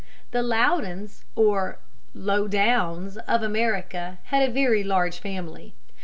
The Loudons or Lowdowns of America had a very large family.